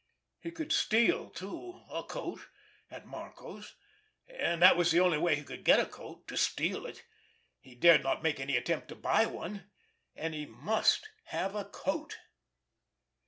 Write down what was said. He could steal too ... a coat ... at Marco's ... and that was the only way he could get a coat ... to steal it ... he dared not make any attempt to buy one ... and he must have a coat.